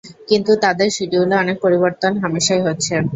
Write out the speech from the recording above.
কিন্তু তাঁদের শিডিউলে অনেক পরিবর্তন হামেশাই হচ্ছে।